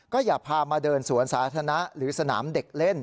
อย่าพามาเดินสวนสาธารณะหรือสนามเด็กเล่น